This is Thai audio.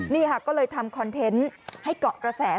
นี่ค่ะก็เลยทำคอนเทนต์ให้เกาะกระแส